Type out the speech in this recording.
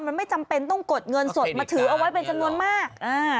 มันไม่จำเป็นต้องกดเงินสดมาถือเอาไว้เป็นจำนวนมากอ่า